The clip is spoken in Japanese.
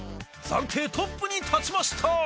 暫定トップに立ちました。